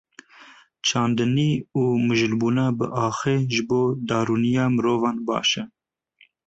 Çandinî û mijûlbûna bi axê ji bo derûniya mirovan baş e.